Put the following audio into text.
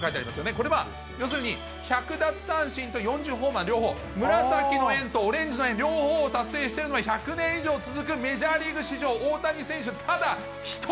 これは要するに１００奪三振と４０ホームラン両方、紫の円とオレンジの円、両方を達成しているのが１００年続くメジャーリーグ史上、大谷選手ただ１人。